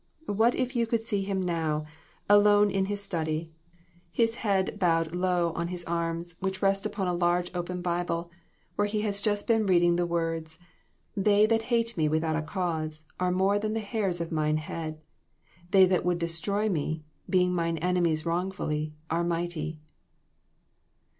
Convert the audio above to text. What if you could see him now, alone in his study, his head "DON'T REPEAT IT.'* 163 bowed low on his arms, which rest upon a large open Bible, where he has just been reading the words: "They that hate me without a cause are more than the hairs of mine head; they that would destroy me, being mine enemies wrongfully, ore mighty."